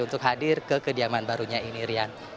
untuk hadir ke kediaman barunya ini rian